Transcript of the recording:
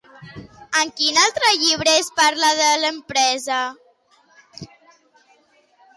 En quin altre llibre es parla de l'empresa?